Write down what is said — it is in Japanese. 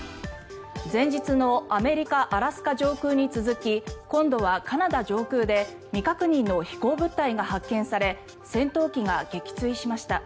前日のアメリカ・アラスカ上空に続き今度はカナダ上空で未確認の飛行物体が確認され戦闘機が撃墜しました。